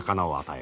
え？